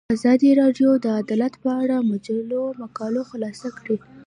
ازادي راډیو د عدالت په اړه د مجلو مقالو خلاصه کړې.